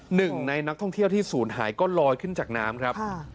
หนึ่งในนักท่องเที่ยวที่ศูนย์หายก็ลอยขึ้นจากน้ำครับ